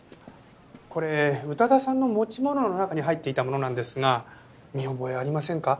これ宇多田さんの持ち物の中に入っていたものなんですが見覚えありませんか？